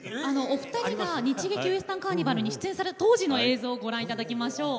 お二人が日劇ウエスタンカーニバルに出演された当時の映像をご覧いただきましょう。